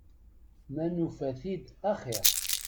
Ma nufa-t-id axiṛ.